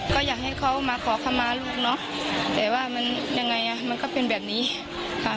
ก็อยากให้เขามาขอคำมาลูกเนาะแต่ว่ามันยังไงอ่ะมันก็เป็นแบบนี้ค่ะ